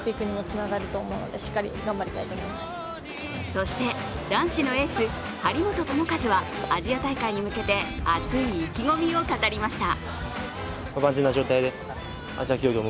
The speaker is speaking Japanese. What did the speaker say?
そして、男子のエース・張本智和はアジア大会に向けて熱い意気込みを語りました。